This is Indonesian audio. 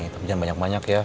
tapi jangan banyak banyak ya